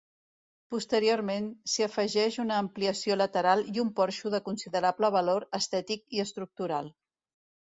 Posteriorment s'hi afegeix una ampliació lateral i un porxo de considerable valor estètic i estructural.